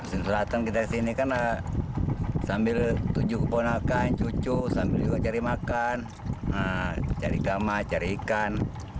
di selatan kita di sini kan sambil tujuh keponakan cucu sambil juga cari makan cari kamar cari ikan